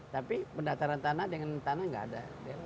tapi pendataran tanah dengan tanah nggak ada